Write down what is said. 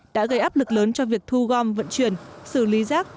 đã gây áp lực lớn cho việc thu gom vận chuyển xử lý rác